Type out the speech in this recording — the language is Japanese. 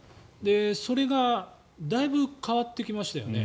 それがだいぶ変わってきましたよね。